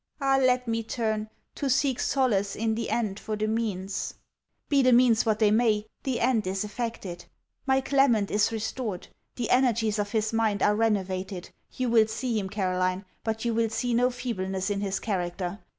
Ah! let me turn, to seek solace, in the end, for the means! Be the means what they may, the end is effected. My Clement is restored. The energies of his mind are renovated. You will see him, Caroline: but you will see no feebleness in his character.